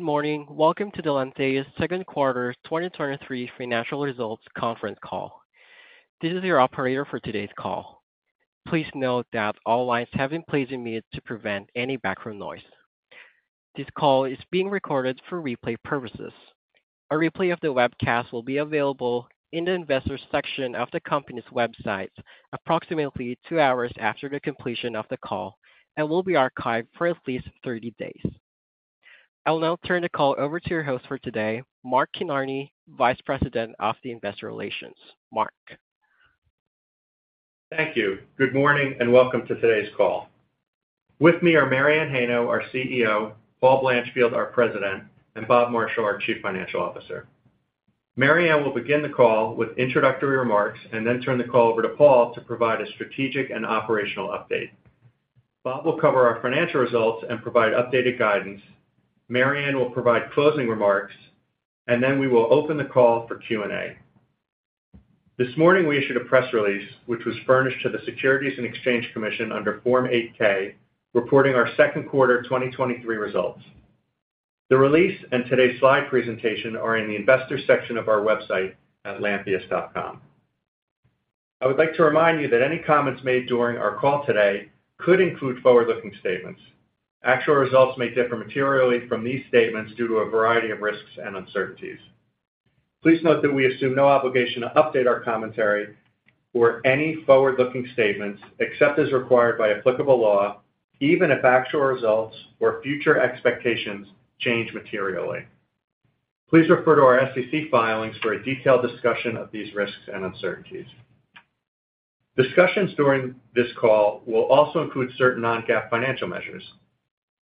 Good morning. Welcome to the Lantheus second quarter 2023 financial results conference call. This is your operator for today's call. Please note that all lines have been placed in mute to prevent any background noise. This call is being recorded for replay purposes. A replay of the webcast will be available in the Investors section of the company's website approximately two hours after the completion of the call and will be archived for at least 30 days. I'll now turn the call over to your host for today, Mark Kinarney, Vice President of the Investor Relations. Mark? Thank you. Good morning, welcome to today's call. With me are Mary Anne Heino, our CEO, Paul Blanchfield, our President, and Bob Marshall, our Chief Financial Officer. Mary Anne will begin the call with introductory remarks and then turn the call over to Paul to provide a strategic and operational update. Bob will cover our financial results and provide updated guidance. Mary Anne will provide closing remarks, and then we will open the call for Q&A. This morning, we issued a press release, which was furnished to the Securities and Exchange Commission under Form 8-K, reporting our second quarter 2023 results. The release and today's slide presentation are in the Investors section of our website at lantheus.com. I would like to remind you that any comments made during our call today could include forward-looking statements. Actual results may differ materially from these statements due to a variety of risks and uncertainties. Please note that we assume no obligation to update our commentary or any forward-looking statements, except as required by applicable law, even if actual results or future expectations change materially. Please refer to our SEC filings for a detailed discussion of these risks and uncertainties. Discussions during this call will also include certain non-GAAP financial measures.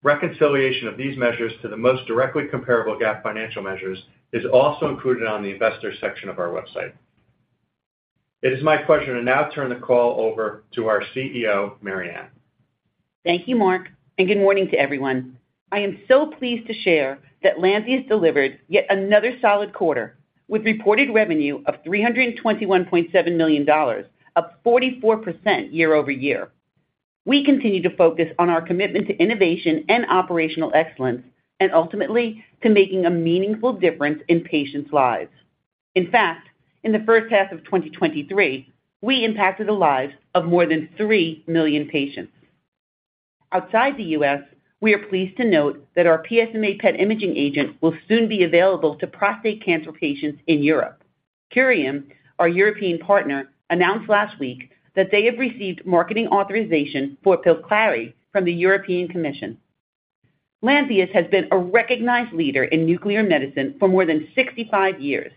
Reconciliation of these measures to the most directly comparable GAAP financial measures is also included on the Investors section of our website. It is my pleasure to now turn the call over to our CEO, Mary Anne. Thank you, Mark, and good morning to everyone. I am so pleased to share that Lantheus delivered yet another solid quarter with reported revenue of $321.7 million, up 44% year-over-year. We continue to focus on our commitment to innovation and operational excellence, and ultimately, to making a meaningful difference in patients' lives. In fact, in the first half of 2023, we impacted the lives of more than 3 million patients. Outside the U.S., we are pleased to note that our PSMA PET imaging agent will soon be available to prostate cancer patients in Europe. Curium, our European partner, announced last week that they have received marketing authorization for Pylclari from the European Commission. Lantheus has been a recognized leader in nuclear medicine for more than 65 years.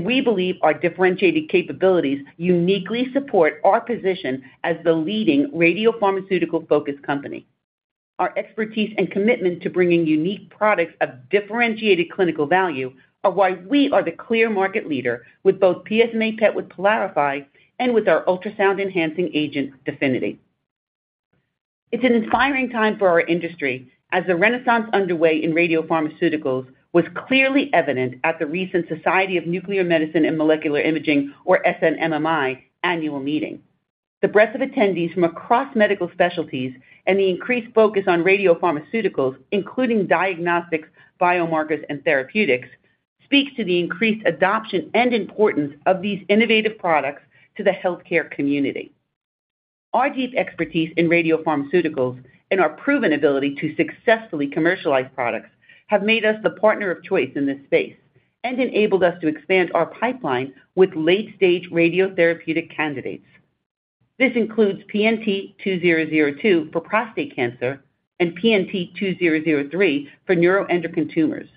We believe our differentiated capabilities uniquely support our position as the leading radiopharmaceutical-focused company. Our expertise and commitment to bringing unique products of differentiated clinical value are why we are the clear market leader with both PSMA PET with PYLARIFY and with our ultrasound enhancing agent, DEFINITY. It's an inspiring time for our industry as the renaissance underway in radiopharmaceuticals was clearly evident at the recent Society of Nuclear Medicine and Molecular Imaging, or SNMMI, annual meeting. The breadth of attendees from across medical specialties and the increased focus on radiopharmaceuticals, including diagnostics, biomarkers, and therapeutics, speaks to the increased adoption and importance of these innovative products to the healthcare community. Our deep expertise in radiopharmaceuticals and our proven ability to successfully commercialize products have made us the partner of choice in this space and enabled us to expand our pipeline with late-stage radiotherapeutic candidates. This includes PNT2002 for prostate cancer and PNT2003 for neuroendocrine tumors.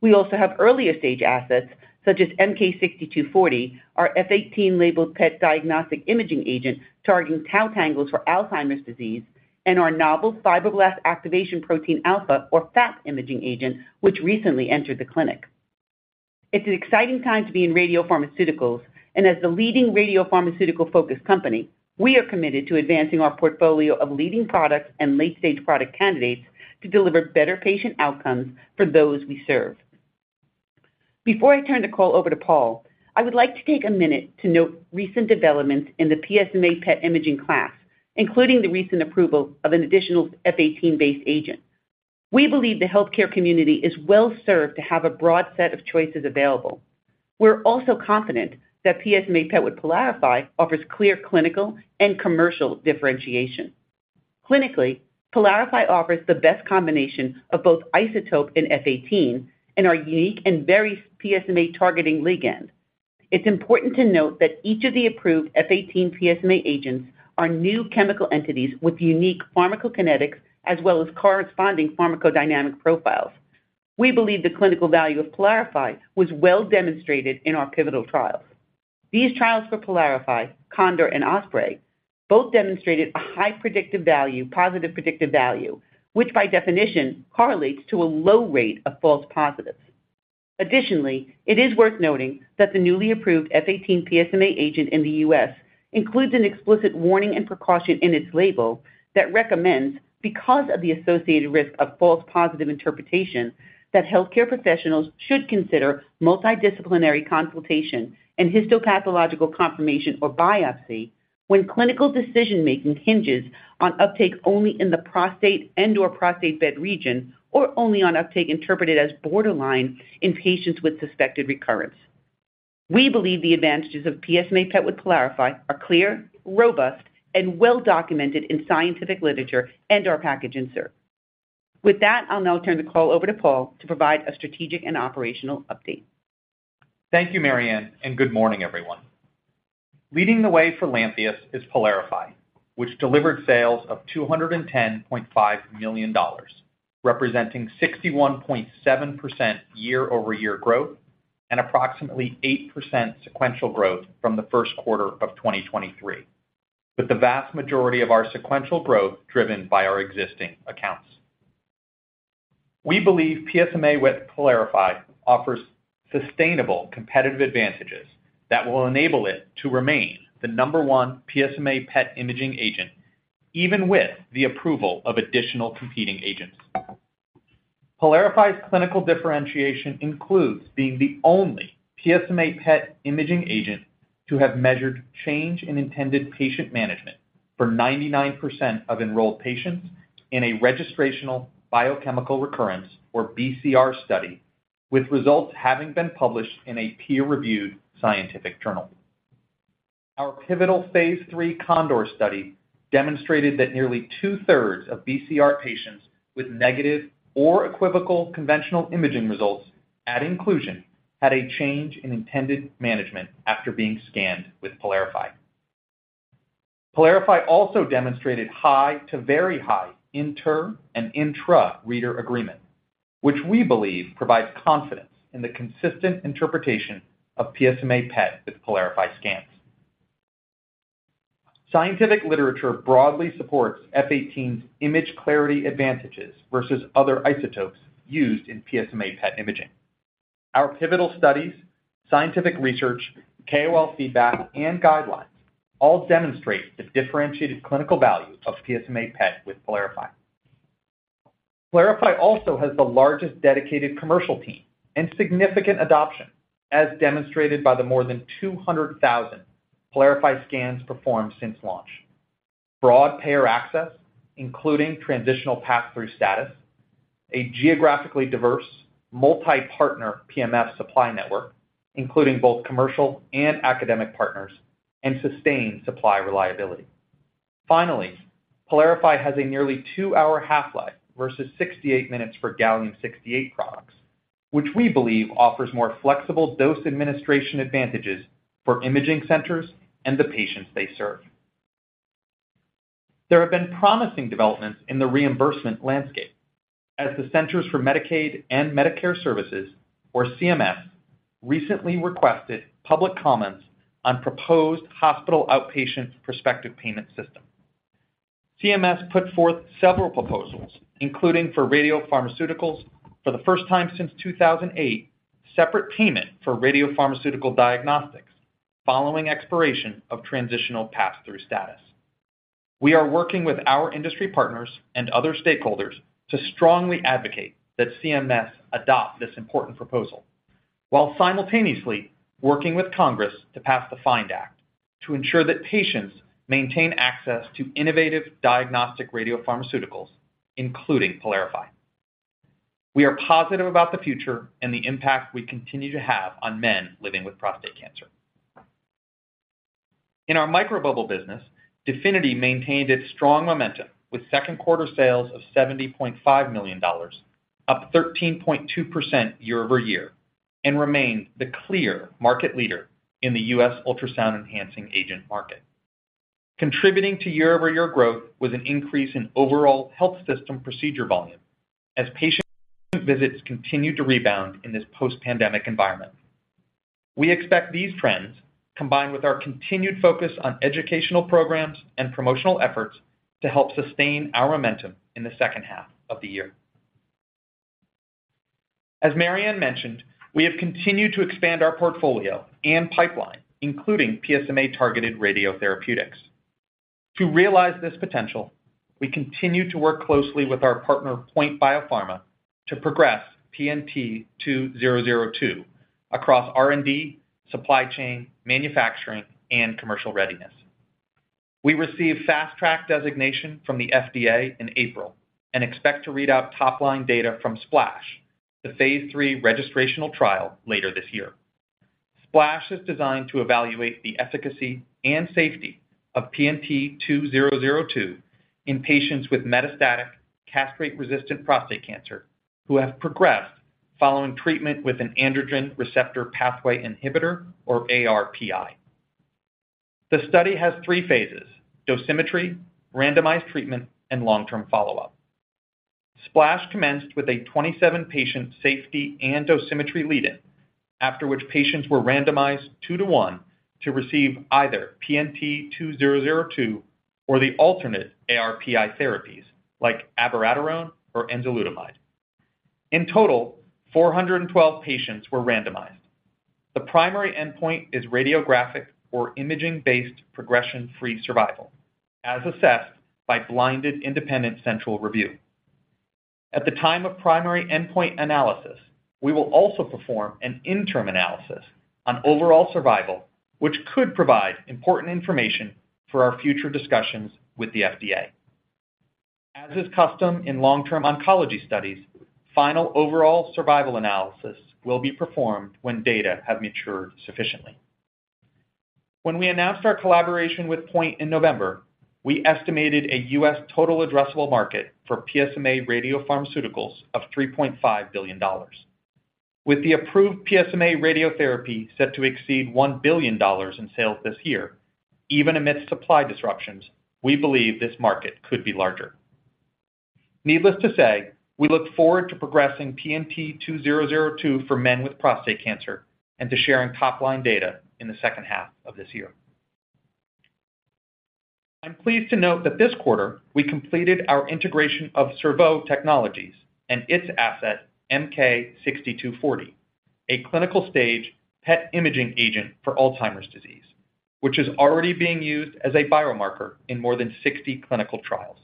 We also have earlier-stage assets, such as MK-6240, our F-18-labeled PET diagnostic imaging agent targeting tau tangles for Alzheimer's disease, and our novel fibroblast activation protein alpha, or FAP imaging agent, which recently entered the clinic. It's an exciting time to be in radiopharmaceuticals, and as the leading radiopharmaceutical-focused company, we are committed to advancing our portfolio of leading products and late-stage product candidates to deliver better patient outcomes for those we serve. Before I turn the call over to Paul, I would like to take a minute to note recent developments in the PSMA PET imaging class, including the recent approval of an additional F-18-based agent. We believe the healthcare community is well-served to have a broad set of choices available. We're also confident that PSMA PET with PYLARIFY offers clear clinical and commercial differentiation. Clinically, PYLARIFY offers the best combination of both isotope and F-18 and our unique and very PSMA-targeting ligand. It's important to note that each of the approved F-18 PSMA agents are new chemical entities with unique pharmacokinetics as well as corresponding pharmacodynamic profiles. We believe the clinical value of PYLARIFY was well demonstrated in our pivotal trials. These trials for PYLARIFY, CONDOR and OSPREY, both demonstrated a high predictive value, positive predictive value, which by definition correlates to a low rate of false positives. Additionally, it is worth noting that the newly approved F-18 PSMA agent in the U.S. includes an explicit warning and precaution in its label that recommends, because of the associated risk of false positive interpretation, that healthcare professionals should consider multidisciplinary consultation and histopathological confirmation or biopsy. when clinical decision-making hinges on uptake only in the prostate and or prostate bed region, or only on uptake interpreted as borderline in patients with suspected recurrence. We believe the advantages of PSMA PET with PYLARIFY are clear, robust, and well-documented in scientific literature and our package insert. With that, I'll now turn the call over to Paul to provide a strategic and operational update. Thank you, Mary Anne, and good morning, everyone. Leading the way for Lantheus is PYLARIFY, which delivered sales of $210.5 million, representing 61.7% year-over-year growth and approximately 8% sequential growth from the first quarter of 2023, with the vast majority of our sequential growth driven by our existing accounts. We believe PSMA with PYLARIFY offers sustainable competitive advantages that will enable it to remain the number one PSMA PET imaging agent, even with the approval of additional competing agents. PYLARIFY's clinical differentiation includes being the only PSMA PET imaging agent to have measured change in intended patient management for 99% of enrolled patients in a registrational biochemical recurrence, or BCR study, with results having been published in a peer-reviewed scientific journal. Our pivotal phase III CONDOR study demonstrated that nearly two-thirds of BCR patients with negative or equivocal conventional imaging results at inclusion had a change in intended management after being scanned with PYLARIFY. PYLARIFY also demonstrated high to very high inter- and intra-reader agreement, which we believe provides confidence in the consistent interpretation of PSMA PET with PYLARIFY scans. Scientific literature broadly supports F-18's image clarity advantages versus other isotopes used in PSMA PET imaging. Our pivotal studies, scientific research, KOL feedback, and guidelines all demonstrate the differentiated clinical value of PSMA PET with PYLARIFY. PYLARIFY also has the largest dedicated commercial team and significant adoption, as demonstrated by the more than 200,000 PYLARIFY scans performed since launch. Broad payer access, including transitional pass-through status, a geographically diverse, multi-partner PMF supply network, including both commercial and academic partners, and sustained supply reliability. Finally, PYLARIFY has a nearly two-hour half-life versus 68 minutes for Gallium-68 products, which we believe offers more flexible dose administration advantages for imaging centers and the patients they serve. There have been promising developments in the reimbursement landscape as the Centers for Medicare & Medicaid Services, or CMS, recently requested public comments on proposed Hospital Outpatient Prospective Payment System. CMS put forth several proposals, including for radiopharmaceuticals, for the first time since 2008, separate payment for radiopharmaceutical diagnostics following expiration of transitional pass-through status. We are working with our industry partners and other stakeholders to strongly advocate that CMS adopt this important proposal, while simultaneously working with Congress to pass the FIND Act, to ensure that patients maintain access to innovative diagnostic radiopharmaceuticals, including PYLARIFY. We are positive about the future and the impact we continue to have on men living with prostate cancer. In our microbubble business, DEFINITY maintained its strong momentum with second quarter sales of $70.5 million, up 13.2% year-over-year, and remained the clear market leader in the U.S. ultrasound enhancing agent market. Contributing to year-over-year growth was an increase in overall health system procedure volume as patient visits continued to rebound in this post-pandemic environment. We expect these trends, combined with our continued focus on educational programs and promotional efforts, to help sustain our momentum in the second half of the year. As Mary Anne mentioned, we have continued to expand our portfolio and pipeline, including PSMA-targeted radiotherapeutics. To realize this potential, we continue to work closely with our partner, POINT Biopharma, to progress PNT2002 across R&D, supply chain, manufacturing, and commercial readiness. We received Fast Track designation from the FDA in April and expect to read out top-line data from SPLASH, the phase III registrational trial, later this year. SPLASH is designed to evaluate the efficacy and safety of PNT2002 in patients with metastatic castration-resistant prostate cancer who have progressed following treatment with an androgen receptor pathway inhibitor, or ARPI. The study has three phases: dosimetry, randomized treatment, and long-term follow-up. SPLASH commenced with a 27-patient safety and dosimetry lead-in, after which patients were randomized two to one to receive either PNT2002 or the alternate ARPI therapies like abiraterone or enzalutamide. In total, 412 patients were randomized. The primary endpoint is radiographic or imaging-based progression-free survival, as assessed by blinded independent central review. At the time of primary endpoint analysis, we will also perform an interim analysis on overall survival, which could provide important information for our future discussions with the FDA. As is custom in long-term oncology studies, final overall survival analysis will be performed when data have matured sufficiently. When we announced our collaboration with Point in November, we estimated a U.S. total addressable market for PSMA radiopharmaceuticals of $3.5 billion. With the approved PSMA radiotherapy set to exceed $1 billion in sales this year, even amidst supply disruptions, we believe this market could be larger. Needless to say, we look forward to progressing PNT2002 for men with prostate cancer and to sharing top-line data in the second half of this year. I'm pleased to note that this quarter we completed our integration of Cerveau Technologies and its asset, MK-6240, a clinical-stage PET imaging agent for Alzheimer's disease, which is already being used as a biomarker in more than 60 clinical trials.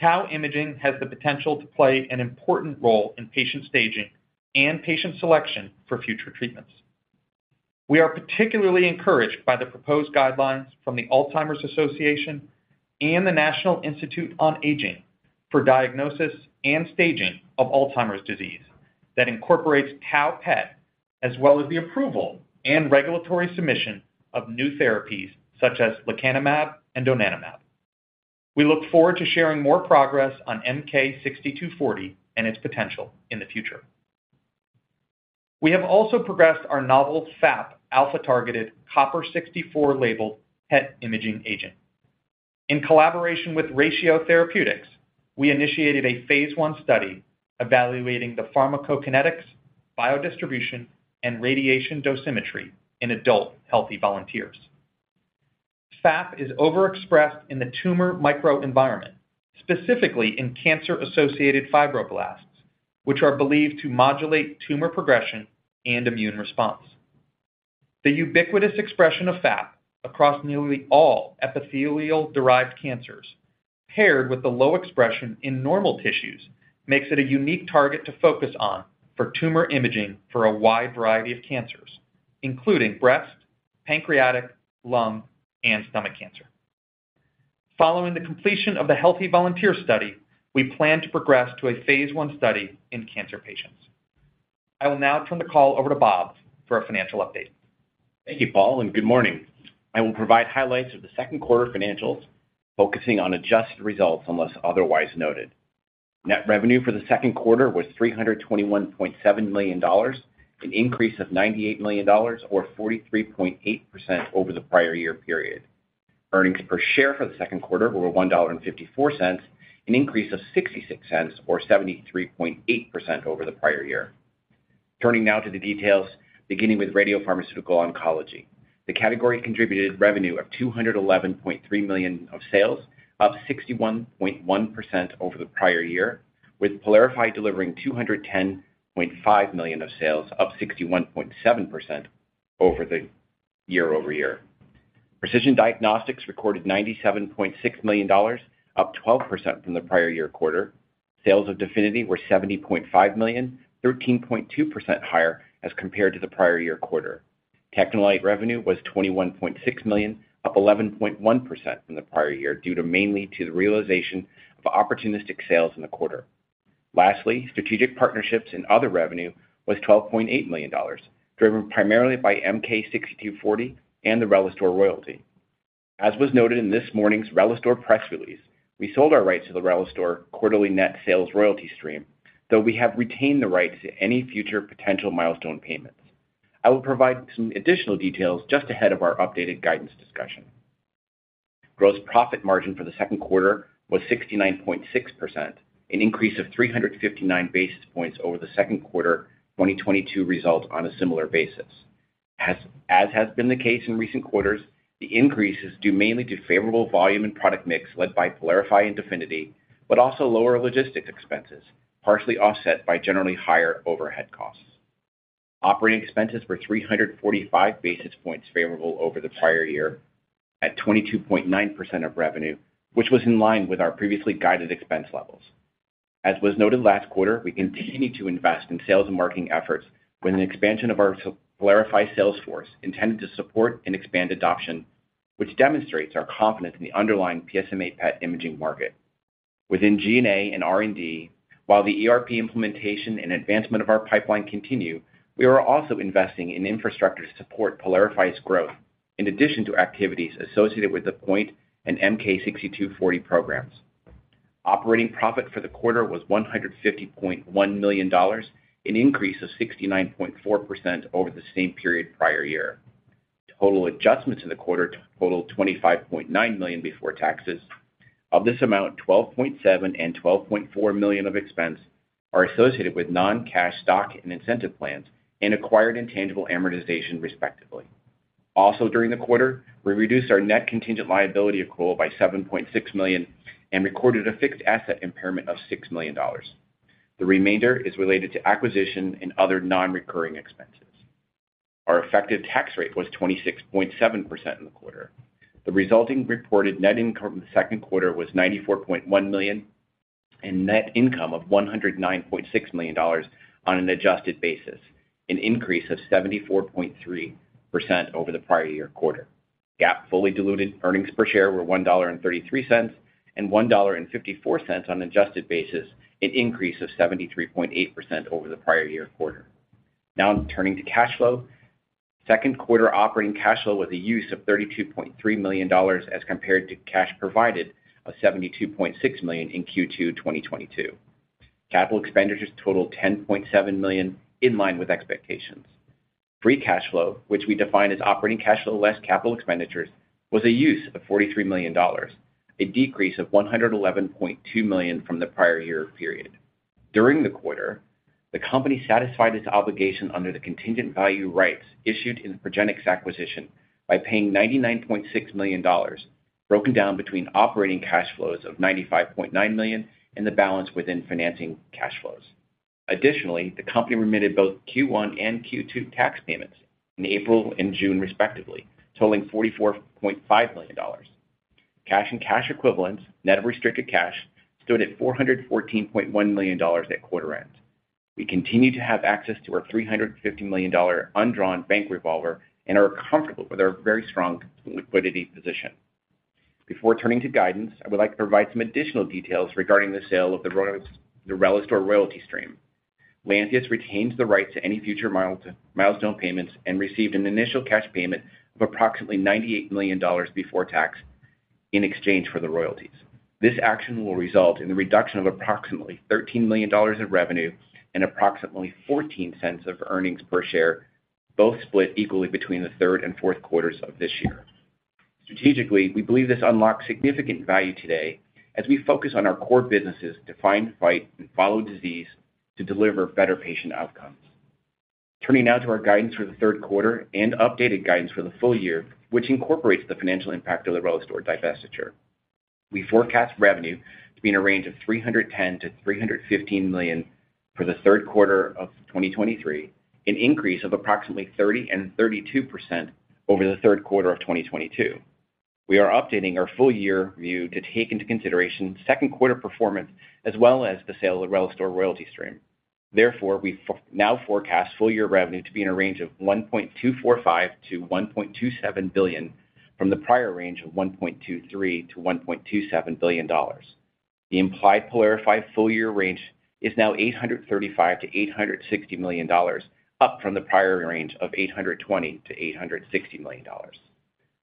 tau imaging has the potential to play an important role in patient staging and patient selection for future treatments. We are particularly encouraged by the proposed guidelines from the Alzheimer's Association and the National Institute on Aging for diagnosis and staging of Alzheimer's disease that incorporates tau PET, as well as the approval and regulatory submission of new therapies such as lecanemab and donanemab. We look forward to sharing more progress on MK-6240 and its potential in the future. We have also progressed our novel FAP alpha-targeted copper-64 labeled PET imaging agent. In collaboration with Ratio Therapeutics, we initiated a phase I study evaluating the pharmacokinetics, biodistribution, and radiation dosimetry in adult healthy volunteers. FAP is overexpressed in the tumor microenvironment, specifically in cancer-associated fibroblasts, which are believed to modulate tumor progression and immune response. The ubiquitous expression of FAP across nearly all epithelial-derived cancers, paired with the low expression in normal tissues, makes it a unique target to focus on for tumor imaging for a wide variety of cancers, including breast, pancreatic, lung, and stomach cancer. Following the completion of the healthy volunteer study, we plan to progress to a phase I study in cancer patients. I will now turn the call over to Bob for a financial update. Thank you, Paul, and good morning. I will provide highlights of the second quarter financials, focusing on adjusted results unless otherwise noted. Net revenue for the second quarter was $321.7 million, an increase of $98 million, or 43.8% over the prior-year period. Earnings per share for the second quarter were $1.54, an increase of $0.66 or 73.8% over the prior-year. Turning now to the details, beginning with Radiopharmaceutical Oncology. The category contributed revenue of $211.3 million of sales, up 61.1% over the prior-year, with PYLARIFY delivering $210.5 million of sales, up 61.7% year-over-year. Precision Diagnostics recorded $97.6 million, up 12% from the prior-year quarter. Sales of DEFINITY were $70.5 million, 13.2% higher as compared to the prior year quarter. TechneLite revenue was $21.6 million, up 11.1% from the prior year due to mainly to the realization of opportunistic sales in the quarter. Lastly, strategic partnerships and other revenue was $12.8 million, driven primarily by MK-6240 and the Relistor royalty. As was noted in this morning's Relistor press release, we sold our rights to the Relistor quarterly net sales royalty stream, though we have retained the rights to any future potential milestone payments. I will provide some additional details just ahead of our updated guidance discussion. Gross profit margin for the second quarter was 69.6%, an increase of 359 basis points over the second quarter 2022 results on a similar basis. As has been the case in recent quarters, the increase is due mainly to favorable volume and product mix, led by PYLARIFY and DEFINITY, but also lower logistics expenses, partially offset by generally higher overhead costs. Operating expenses were 345 basis points favorable over the prior year at 22.9% of revenue, which was in line with our previously guided expense levels. As was noted last quarter, we continue to invest in sales and marketing efforts with an expansion of our PYLARIFY sales force intended to support and expand adoption, which demonstrates our confidence in the underlying PSMA PET imaging market. Within G&A and R&D, while the ERP implementation and advancement of our pipeline continue, we are also investing in infrastructure to support PYLARIFY's growth, in addition to activities associated with the Point and MK-6240 programs. Operating profit for the quarter was $150.1 million, an increase of 69.4% over the same period prior year. Total adjustments in the quarter totaled $25.9 million before taxes. Of this amount, $12.7 million and $12.4 million of expense are associated with non-cash, stock and incentive plans and acquired intangible amortization, respectively. Also, during the quarter, we reduced our net contingent liability of coal by $7.6 million and recorded a fixed asset impairment of $6 million. The remainder is related to acquisition and other non-recurring expenses. Our effective tax rate was 26.7% in the quarter. The resulting reported net income from the second quarter was $94.1 million, and net income of $109.6 million on an adjusted basis, an increase of 74.3% over the prior year quarter. GAAP fully diluted earnings per share were $1.33, and $1.54 on adjusted basis, an increase of 73.8% over the prior year quarter. Now turning to cash flow. Second quarter operating cash flow was a use of $32.3 million as compared to cash provided of $72.6 million in Q2 2022. Capital expenditures totaled $10.7 million, in line with expectations. Free cash flow, which we define as operating cash flow less capital expenditures, was a use of $43 million, a decrease of $111.2 million from the prior year period. During the quarter, the company satisfied its obligation under the contingent value rights issued in the Progenics acquisition by paying $99.6 million, broken down between operating cash flows of $95.9 million and the balance within financing cash flows. Additionally, the company remitted both Q1 and Q2 tax payments in April and June, respectively, totaling $44.5 million. Cash and cash equivalents, net of restricted cash, stood at $414.1 million at quarter end. We continue to have access to our $350 million undrawn bank revolver and are comfortable with our very strong liquidity position. Before turning to guidance, I would like to provide some additional details regarding the sale of the Relistor royalty stream. Lantheus retains the right to any future milestone payments and received an initial cash payment of approximately $98 million before tax in exchange for the royalties. This action will result in the reduction of approximately $13 million of revenue and approximately $0.14 of earnings per share, both split equally between the third and fourth quarters of this year. Strategically, we believe this unlocks significant value today as we focus on our core businesses to find, fight, and follow disease to deliver better patient outcomes. Turning now to our guidance for the third quarter and updated guidance for the full year, which incorporates the financial impact of the Relistor divestiture. We forecast revenue to be in a range of $310 million-$315 million for the third quarter of 2023, an increase of approximately 30%-32% over the third quarter of 2022. We are updating our full year view to take into consideration second quarter performance, as well as the sale of the Relistor royalty stream. We now forecast full year revenue to be in a range of $1.245 billion-$1.27 billion, from the prior range of $1.23 billion-$1.27 billion. The implied PYLARIFY full-year range is now $835 million-$860 million, up from the prior range of $820 million-$860 million.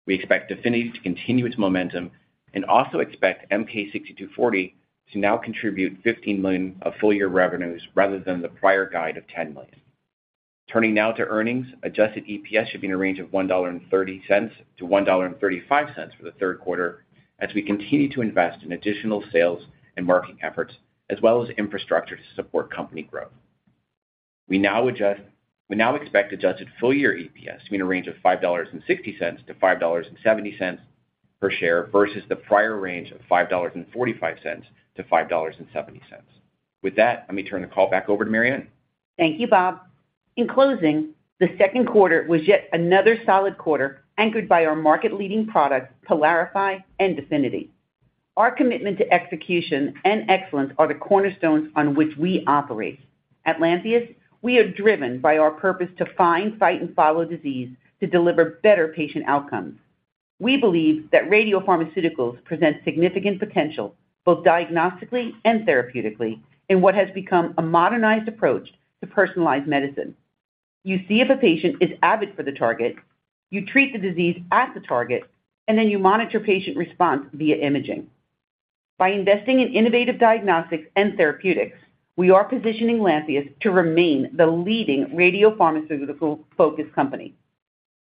We expect DEFINITY to continue its momentum and also expect MK-6240 to now contribute $15 million of full-year revenues rather than the prior guide of $10 million. Turning now to earnings. Adjusted EPS should be in a range of $1.30-$1.35 for the third quarter as we continue to invest in additional sales and marketing efforts, as well as infrastructure to support company growth. We now expect adjusted full year EPS to be in a range of $5.60-$5.70 per share, versus the prior range of $5.45-$5.70. With that, let me turn the call back over to Mary Anne. Thank you, Bob. In closing, the second quarter was yet another solid quarter, anchored by our market-leading products, PYLARIFY and DEFINITY. Our commitment to execution and excellence are the cornerstones on which we operate. At Lantheus, we are driven by our purpose to find, fight, and follow disease to deliver better patient outcomes. We believe that radiopharmaceuticals present significant potential, both diagnostically and therapeutically, in what has become a modernized approach to personalized medicine. You see if a patient is avid for the target, you treat the disease at the target, and then you monitor patient response via imaging. By investing in innovative diagnostics and therapeutics, we are positioning Lantheus to remain the leading radiopharmaceutical-focused company.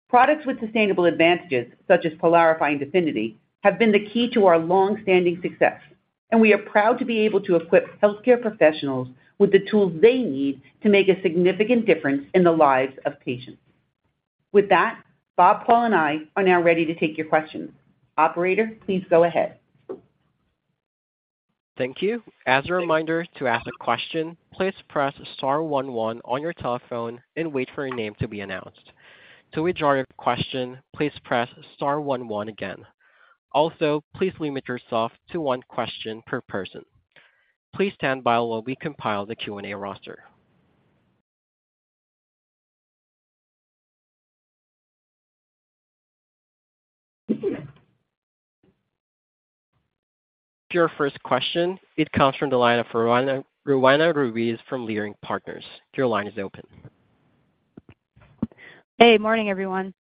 Products with sustainable advantages, such as PYLARIFY and DEFINITY, have been the key to our long-standing success. We are proud to be able to equip healthcare professionals with the tools they need to make a significant difference in the lives of patients. With that, Bob, Paul, and I are now ready to take your questions. Operator, please go ahead. Thank you. As a reminder, to ask a question, please press star one one on your telephone and wait for your name to be announced. To withdraw your question, please press star one one again. Also, please limit yourself to one question per person. Please stand by while we compile the Q&A roster. Your first question, it comes from the line of Roanna Ruiz from Leerink Partners. Your line is open. Hey, morning, everyone.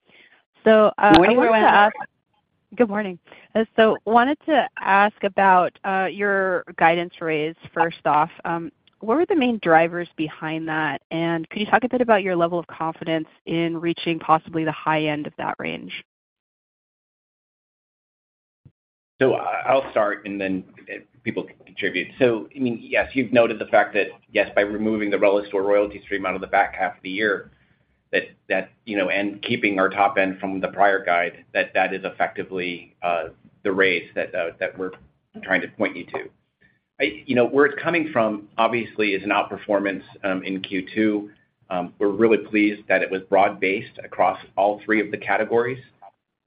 Morning. Wanted to ask about your guidance raise, first off. What were the main drivers behind that? Could you talk a bit about your level of confidence in reaching possibly the high end of that range? I'll start, and then people can contribute. I mean, yes, you've noted the fact that, yes, by removing the Relistor royalty stream out of the back half of the year, that, that, you know, and keeping our top end from the prior guide, that that is effectively, the raise that we're trying to point you to. I, you know, where it's coming from obviously is an outperformance in Q2. We're really pleased that it was broad-based across all three of the categories.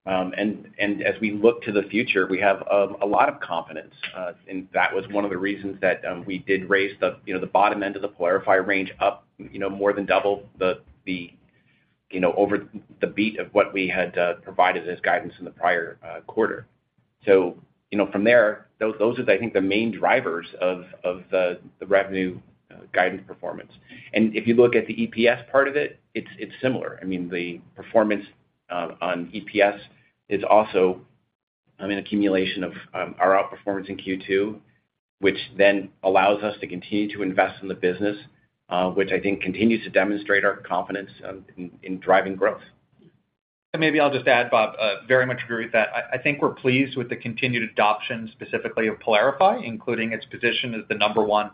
As we look to the future, we have a lot of confidence, and that was one of the reasons that we did raise the bottom end of the PYLARIFY range up more than double the over the beat of what we had provided as guidance in the prior quarter. From there, those are the main drivers of the revenue guidance performance. If you look at the EPS part of it, it's similar. The performance on EPS is also accumulation of our outperformance in Q2, which then allows us to continue to invest in the business, which continues to demonstrate our confidence in driving growth. Maybe I'll just add, Bob, very much agree with that. I think we're pleased with the continued adoption, specifically of PYLARIFY, including its position as the number one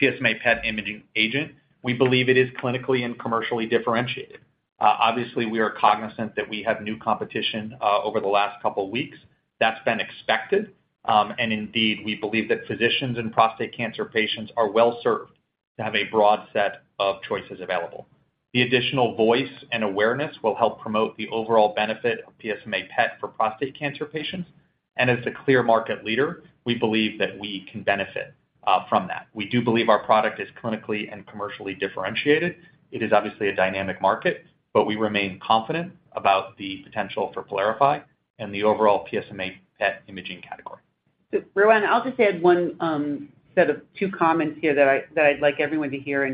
PSMA PET imaging agent. We believe it is clinically and commercially differentiated. Obviously, we are cognizant that we have new competition over the last couple of weeks. That's been expected. Indeed, we believe that physicians and prostate cancer patients are well served to have a broad set of choices available. The additional voice and awareness will help promote the overall benefit of PSMA PET for prostate cancer patients, and as the clear market leader, we believe that we can benefit from that. We do believe our product is clinically and commercially differentiated. It is obviously a dynamic market, but we remain confident about the potential for PYLARIFY and the overall PSMA PET imaging category. Roanna, I'll just add one set of two comments here that I, that I'd like everyone to hear,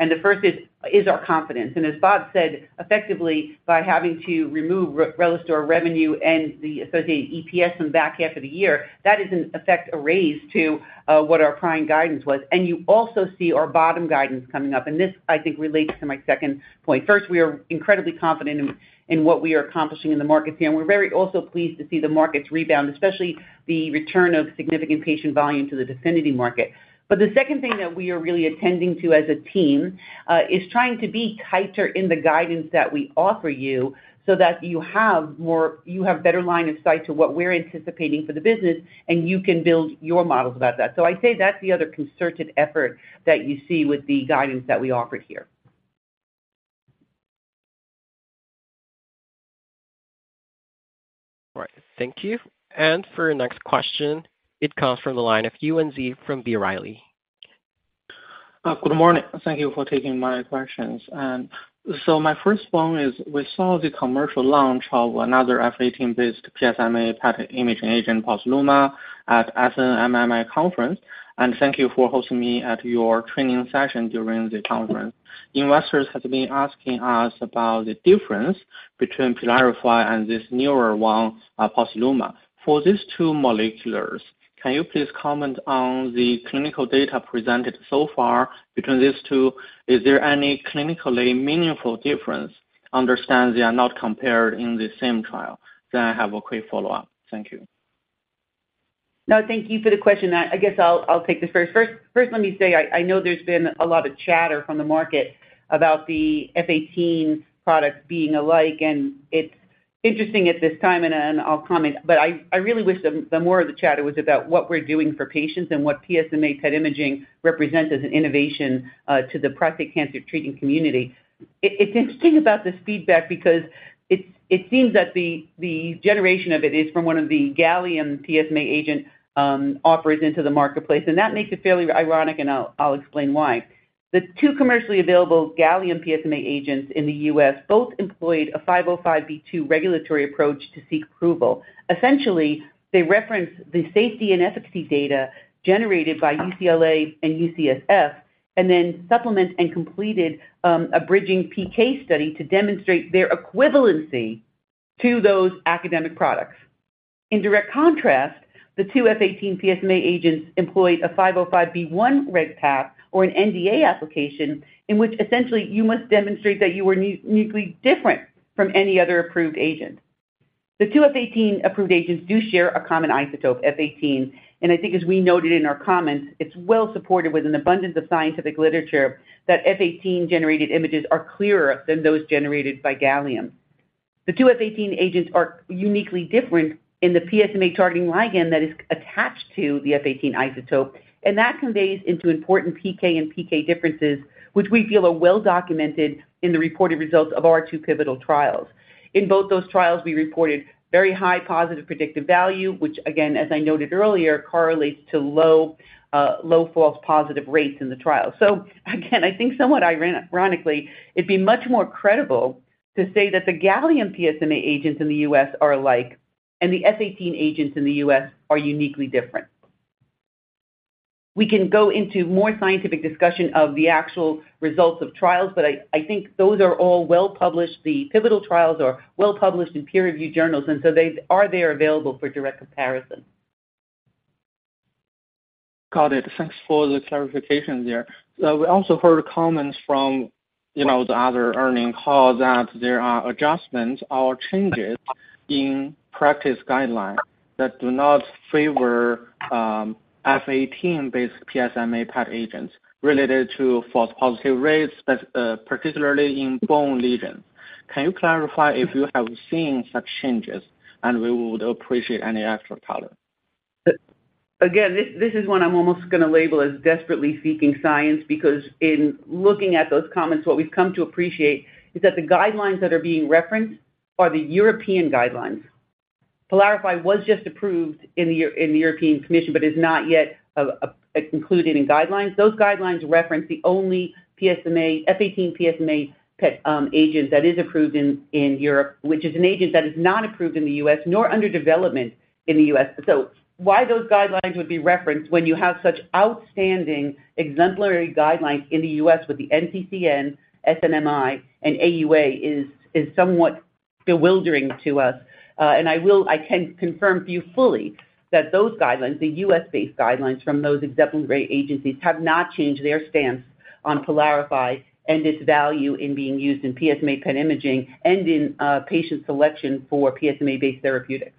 and the first is our confidence. As Bob said, effectively, by having to remove Relistor revenue and the associated EPS from the back half of the year, that is in effect a raise to what our prior guidance was. You also see our bottom guidance coming up, and this, I think, relates to my second point. First, we are incredibly confident in what we are accomplishing in the market here, and we're very also pleased to see the market's rebound, especially the return of significant patient volume to the DEFINITY market. The second thing that we are really attending to as a team, is trying to be tighter in the guidance that we offer you so that you have better line of sight to what we're anticipating for the business, and you can build your models about that. I'd say that's the other concerted effort that you see with the guidance that we offered here. All right. Thank you. For our next question, it comes from the line of Yuan Zhi from B. Riley. Good morning. Thank you for taking my questions. My first one is, we saw the commercial launch of another F-18-based PSMA PET imaging agent, Posluma, at SNMMI conference, and thank you for hosting me at your training session during the conference. Investors have been asking us about the difference between PYLARIFY and this newer one, Posluma. For these two moleculars, can you please comment on the clinical data presented so far between these two? Is there any clinically meaningful difference? Understand they are not compared in the same trial. I have a quick follow-up. Thank you. No, thank you for the question. I guess I'll take this first. First, let me say I know there's been a lot of chatter from the market about the F-18 product being alike, and it's interesting at this time, and I'll comment, but I, I really wish the, the more of the chatter was about what we're doing for patients and what PSMA PET imaging represents as an innovation to the prostate cancer treating community. It, it's interesting about this feedback because it, it seems that the, the generation of it is from one of the Gallium PSMA agent operators into the marketplace, and that makes it fairly ironic, and I'll, I'll explain why. The two commercially available Gallium PSMA agents in the U.S. both employed a 505(b)(2) regulatory approach to seek approval. Essentially, they referenced the safety and efficacy data generated by UCLA and UCSF and then supplement and completed a bridging PK study to demonstrate their equivalency to those academic products. In direct contrast, the two F-18 PSMA agents employed a 505(b)(1) reg path, or an NDA application, in which essentially you must demonstrate that you were uniquely different from any other approved agent. The two F-18 approved agents do share a common isotope, F-18, and I think as we noted in our comments, it's well supported with an abundance of scientific literature that F-18-generated images are clearer than those generated by Gallium. The two F-18 agents are uniquely different in the PSMA targeting ligand that is attached to the F-18 isotope, and that conveys into important PK and PK differences, which we feel are well documented in the reported results of our two pivotal trials. In both those trials, we reported very high positive predictive value, which again, as I noted earlier, correlates to low, low false positive rates in the trial. Again, I think somewhat ironically, it'd be much more credible to say that the Gallium PSMA agents in the U.S. are alike, and the F-18 agents in the U.S. are uniquely different. We can go into more scientific discussion of the actual results of trials, I, I think those are all well published. The pivotal trials are well published in peer-reviewed journals, they are there available for direct comparison. Got it. Thanks for the clarification there. We also heard comments from, you know, the other earnings calls that there are adjustments or changes in practice guidelines that do not favor F-18-based PSMA PET agents related to false positive rates, but particularly in bone lesions. Can you clarify if you have seen such changes, and we would appreciate any extra color? Again, this, this is one I'm almost gonna label as desperately seeking science, because in looking at those comments, what we've come to appreciate is that the guidelines that are being referenced are the European guidelines. PYLARIFY was just approved in the European Commission, but is not yet included in guidelines. Those guidelines reference the only PSMA, F-18 PSMA PET agent that is approved in, in Europe, which is an agent that is not approved in the U.S., nor under development in the U.S. Why those guidelines would be referenced when you have such outstanding exemplary guidelines in the U.S. with the NCCN, SNMMI, and AUA, is, is somewhat bewildering to us. I can confirm to you fully that those guidelines, the U.S.-based guidelines from those exemplary agencies, have not changed their stance on PYLARIFY and its value in being used in PSMA PET imaging and in patient selection for PSMA-based therapeutics.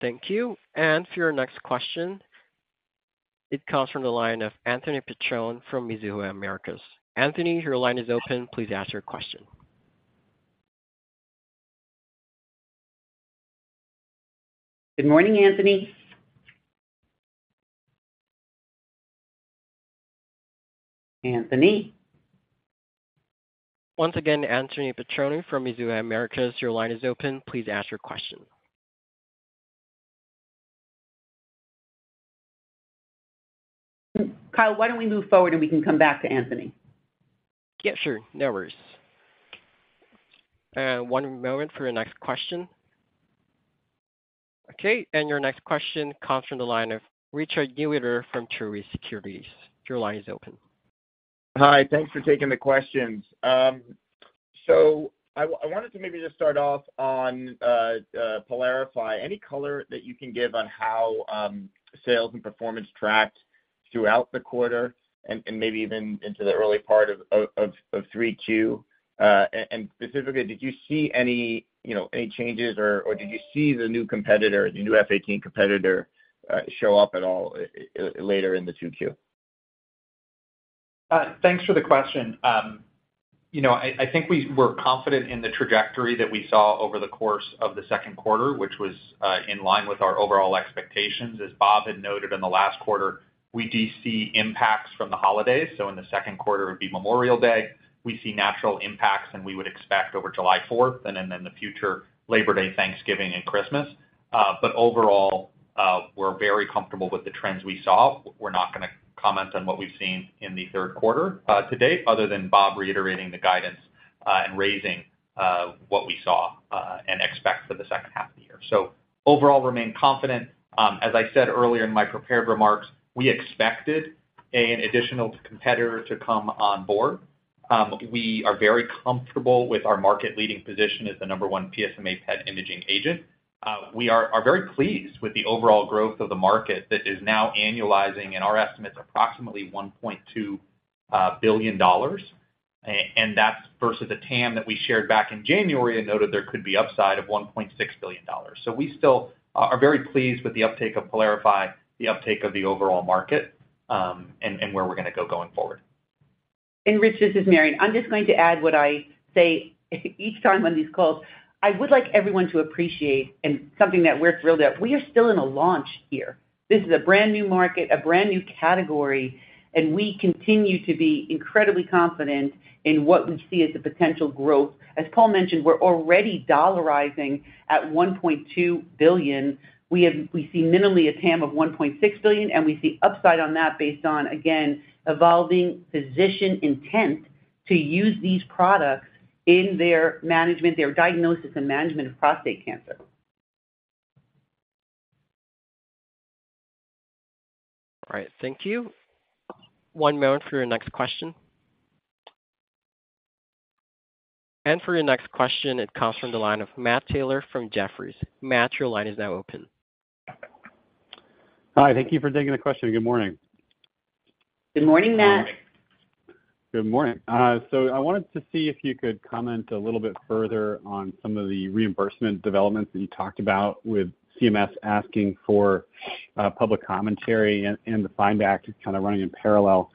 Thank you. For your next question, it comes from the line of Anthony Petrone from Mizuho Americas. Anthony, your line is open. Please ask your question. Good morning, Anthony. Anthony? Once again, Anthony Petrone from Mizuho Americas, your line is open. Please ask your question. Kyle, why don't we move forward, and we can come back to Anthony? Yeah, sure. No worries. One moment for your next question. Your next question comes from the line of Richard Newitter from Truist Securities. Your line is open. Hi, thanks for taking the questions. I wanted to maybe just start off on PYLARIFY. Any color that you can give on how sales and performance tracked throughout the quarter and maybe even into the early part of 3Q? Specifically, did you see any, you know, any changes or did you see the new competitor, the new F-18 competitor, show up at all later in the 2Q? Thanks for the question. You know, I, I think we were confident in the trajectory that we saw over the course of the second quarter, which was in line with our overall expectations. As Bob had noted in the last quarter, we do see impacts from the holidays, so in the second quarter would be Memorial Day. We see natural impacts than we would expect over July 4th and then in the future, Labor Day, Thanksgiving and Christmas. But overall, we're very comfortable with the trends we saw. We're not gonna comment on what we've seen in the third quarter to date, other than Bob reiterating the guidance and raising what we saw and expect for the second half of the year. Overall, remain confident. As I said earlier in my prepared remarks, we expected an additional competitor to come on board. We are very comfortable with our market-leading position as the number one PSMA PET imaging agent. We are very pleased with the overall growth of the market that is now annualizing in our estimates, approximately $1.2 billion. That's versus the TAM that we shared back in January and noted there could be upside of $1.6 billion. We still are very pleased with the uptake of PYLARIFY, the uptake of the overall market, and where we're gonna go going forward. Richard, this is Mary. I'm just going to add what I say each time on these calls. I would like everyone to appreciate, and something that we're thrilled at, we are still in a launch here. This is a brand-new market, a brand-new category, and we continue to be incredibly confident in what we see as the potential growth. As Paul mentioned, we're already dollarizing at $1.2 billion. We see minimally a TAM of $1.6 billion, and we see upside on that based on, again, evolving physician intent to use these products in their management, their diagnosis and management of prostate cancer. All right, thank you. One moment for your next question. For your next question, it comes from the line of Matt Taylor from Jefferies. Matt, your line is now open. Hi, thank you for taking the question. Good morning. Good morning, Matt. Good morning. I wanted to see if you could comment a little bit further on some of the reimbursement developments that you talked about with CMS asking for public commentary and, and the FIND Act kind of running in parallel.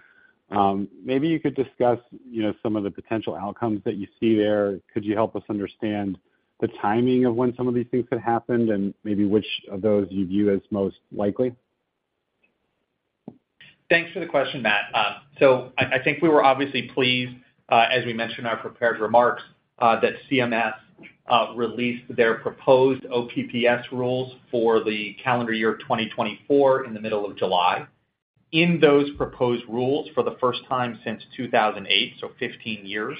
Maybe you could discuss, you know, some of the potential outcomes that you see there. Could you help us understand the timing of when some of these things could happened, and maybe which of those you view as most likely? Thanks for the question, Matt. I, I think we were obviously pleased, as we mentioned in our prepared remarks, that CMS released their proposed OPPS rules for the calendar year 2024 in the middle of July. In those proposed rules, for the first time since 2008, so 15 years,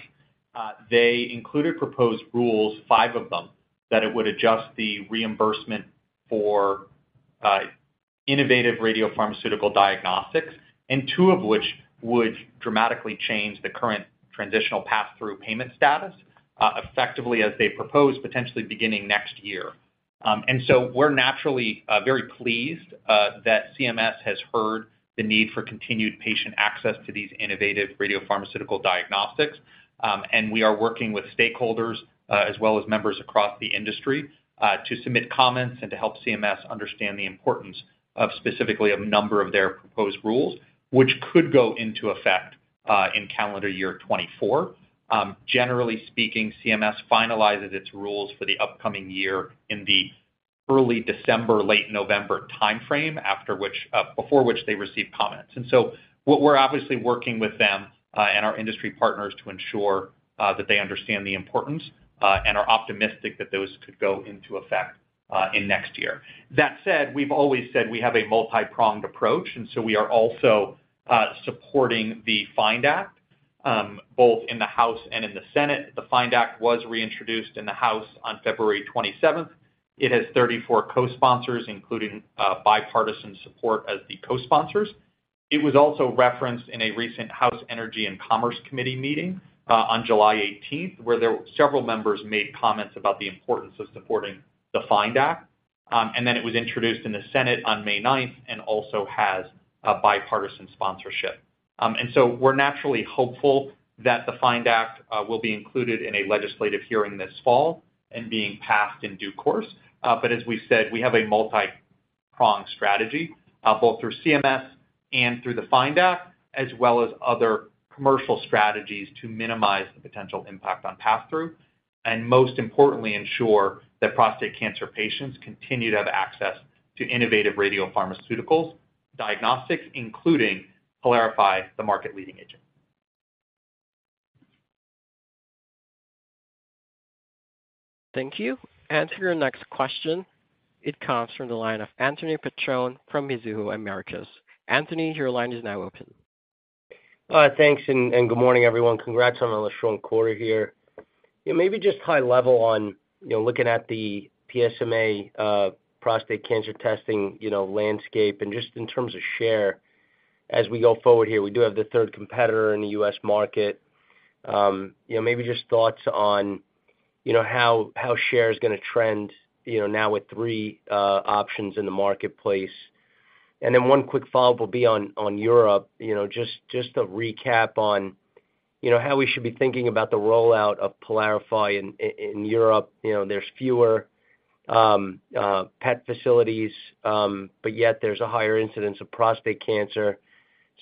they included proposed rules, five of them, that it would adjust the reimbursement for innovative radiopharmaceutical diagnostics, and two of which would dramatically change the current transitional pass-through status, effectively as they propose, potentially beginning next year. We're naturally very pleased that CMS has heard the need for continued patient access to these innovative radiopharmaceutical diagnostics. We are working with stakeholders, as well as members across the industry, to submit comments and to help CMS understand the importance of specifically a number of their proposed rules, which could go into effect in calendar year 2024. Generally speaking, CMS finalizes its rules for the upcoming year in the early December, late November time frame, after which, before which they receive comments. What we're obviously working with them and our industry partners to ensure that they understand the importance and are optimistic that those could go into effect in next year. That said, we've always said we have a multipronged approach, we are also supporting the FIND Act, both in the House and in the Senate. The FIND Act was reintroduced in the House on February 27th. It has 34 cosponsors, including bipartisan support as the cosponsors. It was also referenced in a recent House Energy and Commerce Committee meeting on July 18th, where several members made comments about the importance of supporting the FIND Act. Then it was introduced in the Senate on May 9th and also has a bipartisan sponsorship. So we're naturally hopeful that the FIND Act will be included in a legislative hearing this fall and being passed in due course. As we've said, we have a multipronged strategy, both through CMS and through the FIND Act, as well as other commercial strategies, to minimize the potential impact on passthrough, and most importantly, ensure that prostate cancer patients continue to have access to innovative radiopharmaceuticals, diagnostics, including PYLARIFY, the market-leading agent. Thank you. For your next question, it comes from the line of Anthony Petrone from Mizuho Americas. Anthony, your line is now open. Thanks, and good morning, everyone. Congrats on a strong quarter here. Yeah, maybe just high level on, you know, looking at the PSMA prostate cancer testing, you know, landscape and just in terms of share as we go forward here. We do have the third competitor in the U.S. market. You know, maybe just thoughts on, you know, how share is gonna trend, you know, now with three options in the marketplace. Then one quick follow-up will be on Europe. You know, just to recap on, you know, how we should be thinking about the rollout of PYLARIFY in Europe. You know, there's fewer PET facilities, but yet there's a higher incidence of prostate cancer.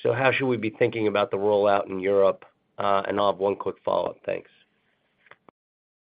How should we be thinking about the rollout in Europe? I'll have one quick follow-up. Thanks.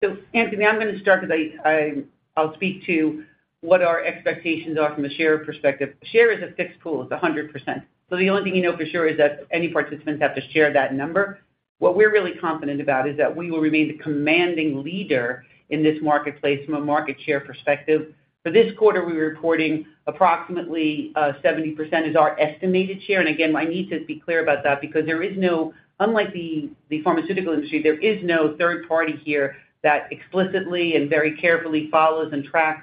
Anthony, I'm gonna start with I'll speak to what our expectations are from a share perspective. Share is a fixed pool. It's 100%. The only thing you know for sure is that any participants have to share that number. What we're really confident about is that we will remain the commanding leader in this marketplace from a market share perspective. For this quarter, we're reporting approximately 70% is our estimated share. Again, I need to be clear about that because there is no, unlike the pharmaceutical industry, there is no third party here that explicitly and very carefully follows and tracks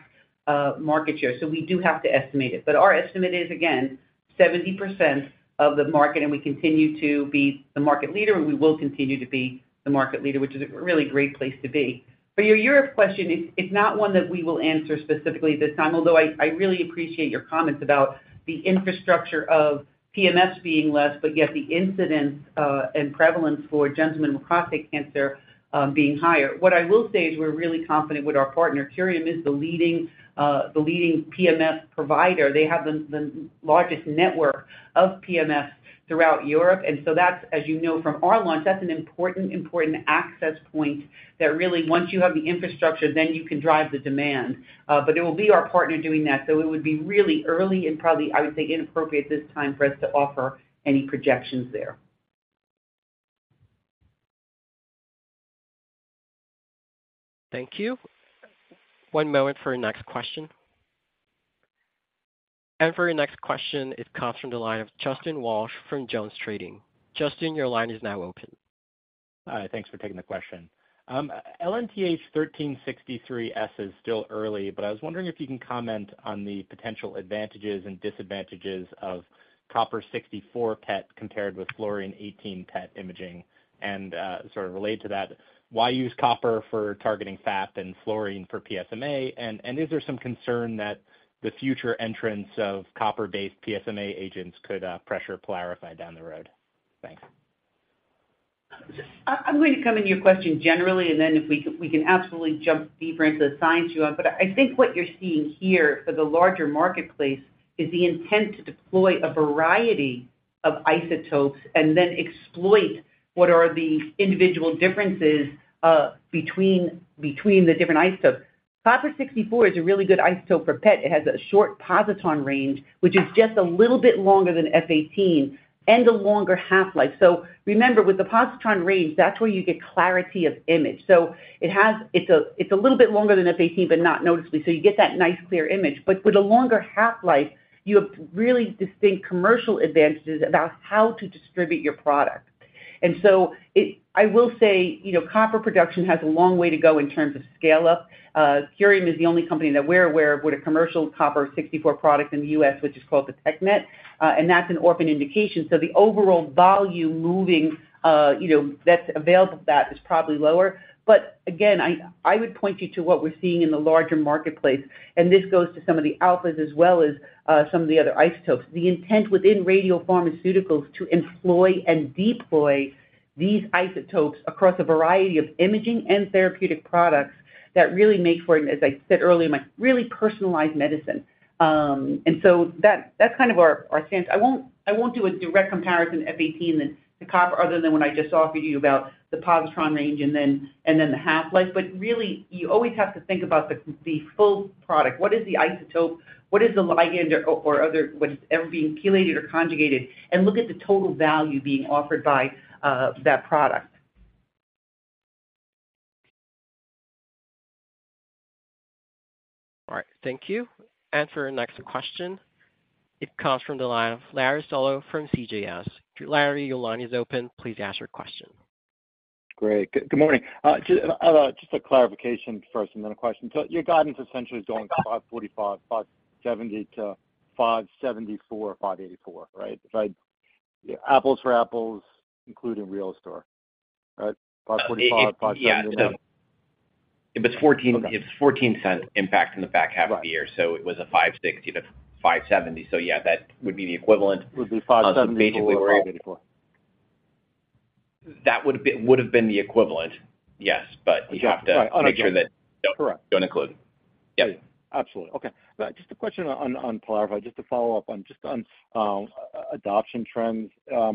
market share. We do have to estimate it. Our estimate is, again, 70% of the market, and we continue to be the market leader, and we will continue to be the market leader, which is a really great place to be. For your Europe question, it's not one that we will answer specifically this time, although I really appreciate your comments about the infrastructure of PMS being less, but yet the incidence and prevalence for gentlemen with prostate cancer being higher. What I will say is we're really confident with our partner. Curium is the leading PMS provider. They have the largest network of PMS throughout Europe, and so that's, as you know, from our launch, that's an important access point that really, once you have the infrastructure, then you can drive the demand. It will be our partner doing that, so it would be really early and probably, I would say, inappropriate this time for us to offer any projections there. Thank you. One moment for our next question. For your next question, it comes from the line of Justin Walsh from JonesTrading. Justin, your line is now open. Thanks for taking the question. LNp-1363 S is still early, but I was wondering if you can comment on the potential advantages and disadvantages of copper-64 PET compared with fluorine 18 PET imaging. Sort of related to that, why use copper for targeting fat and fluorine for PSMA? Is there some concern that the future entrants of copper-based PSMA agents could pressure PYLARIFY down the road? Thanks. I'm going to come into your question generally, then if we we can absolutely jump deeper into the science you want. I think what you're seeing here for the larger marketplace is the intent to deploy a variety of isotopes and then exploit what are the individual differences between, between the different isotopes. Copper-64 is a really good isotope for PET. It has a short positron range, which is just a little bit longer than F-18 and a longer half-life. Remember, with the positron range, that's where you get clarity of image. It's a, it's a little bit longer than F-18, not noticeably, you get that nice, clear image. With a longer half-life, you have really distinct commercial advantages about how to distribute your product. I will say, you know, copper production has a long way to go in terms of scale-up. Curium is the only company that we're aware of with a commercial copper-64 product in the U.S., which is called the Detectnet, and that's an orphan indication. The overall volume moving, you know, that's available for that is probably lower. Again, I, I would point you to what we're seeing in the larger marketplace, and this goes to some of the alphas as well as some of the other isotopes. The intent within radiopharmaceuticals to employ and deploy these isotopes across a variety of imaging and therapeutic products that really make for, as I said earlier, my really personalized medicine. That, that's kind of our, our stance. I won't, I won't do a direct comparison F-18 than the copper, other than what I just offered you about the positron range and then, and then the half-life. Really, you always have to think about the, the full product. What is the isotope? What is the ligand or, or other, what is ever being chelated or conjugated, and look at the total value being offered by that product. All right, thank you. For our next question, it comes from the line of Larry Solow from CJS. Larry, your line is open. Please ask your question. Great. Good, good morning. Just, just a clarification first and then a question. Your guidance essentially is going from $545 million-$570 million to $574 million-$584 million, right? If I, apples for apples, including Relistor, right? $545 million-$570 million- It's $0.14 impact in the back half of the year. It was a $560 million-$570 million. Yeah, that would be the equivalent. Would be $574.84. That would have been, would have been the equivalent, yes, but you have to make sure. Don't include. Absolutely. Okay. Just a question on, on PYLARIFY, just to follow up on, just on adoption trends. Are